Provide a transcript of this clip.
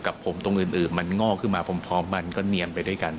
กับผมตรงอื่นมันงอกขึ้นมาพร้อมมันก็เนียนไปด้วยกัน